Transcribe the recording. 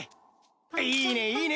いいねいいね。